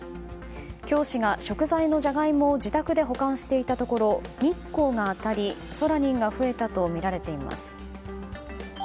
教師が食材のジャガイモを自宅で保管していたところ日光が当たり、ソラニンが増えたとみられています。